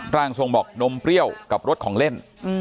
ร่างทรงบอกนมเปรี้ยวกับรสของเล่น